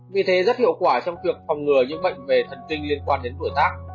vì thế rất hiệu quả trong việc phòng ngừa những bệnh về thần kinh liên quan đến tuổi tác